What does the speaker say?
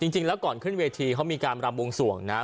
จริงแล้วก่อนขึ้นเวทีเขามีการรำวงสวงนะ